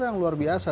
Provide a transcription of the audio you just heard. yang luar biasa